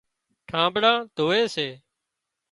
ٺانٻڙان ڌووي سي۔